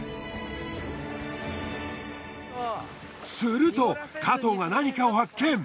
すると加藤が何かを発見。